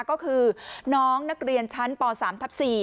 ก็คือน้องนักเรียนชั้นป๓ทับ๔